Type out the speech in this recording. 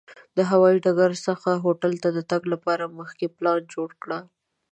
د هوایي ډګر څخه هوټل ته د تګ لپاره مخکې پلان جوړ کړه.